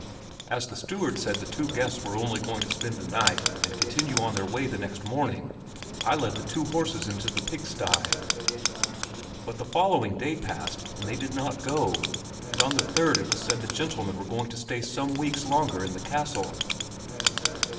"As the steward said the two guests were only going to spend the night and continue on their way the next morning, I led the two horses into the pigsty. But the following day passed and they did not go, and on the third it was said the gentlemen were going to stay some weeks longer at the castle."